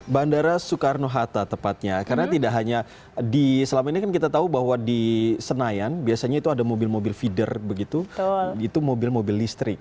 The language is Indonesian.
bandara soekarno hatta tepatnya karena tidak hanya di selama ini kan kita tahu bahwa di senayan biasanya itu ada mobil mobil feeder begitu itu mobil mobil listrik